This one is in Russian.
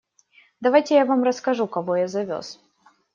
Дайте я вам расскажу, кого я завез.